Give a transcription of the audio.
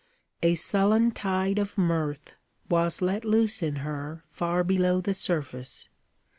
A sullen tide of mirth was let loose in her far below the surface.